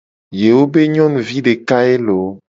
Yewo be nyonuvi deka ye loo.